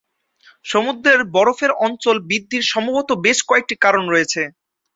সমুদ্রের বরফের অঞ্চল বৃদ্ধির সম্ভবত বেশ কয়েকটি কারণ রয়েছে।